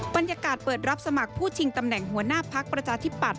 บรรยากาศเปิดรับสมัครผู้ชิงตำแหน่งหัวหน้าพักประชาธิปัตย